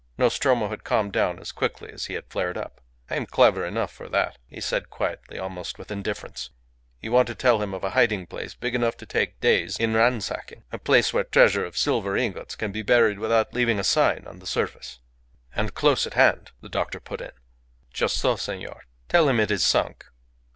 Nostromo had calmed down as quickly as he had flared up. "I am clever enough for that," he said, quietly, almost with indifference. "You want to tell him of a hiding place big enough to take days in ransacking a place where a treasure of silver ingots can be buried without leaving a sign on the surface." "And close at hand," the doctor put in. "Just so, senor. Tell him it is sunk."